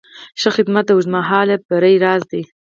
ښه خدمت د اوږدمهاله بری راز دی.